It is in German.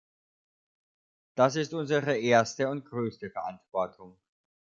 Das ist unsere erste und größte Verantwortung.